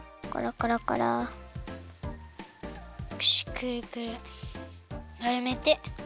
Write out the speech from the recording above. くるくるまるめて。